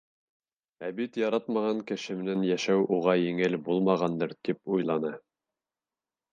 «Ә бит яратмаған кеше менән йәшәү уға еңел булмағандыр» тип уйланы.